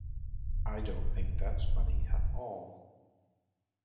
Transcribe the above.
I don't think that's funny at all.